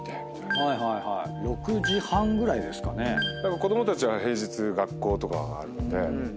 子供たちは平日学校とかがあるので。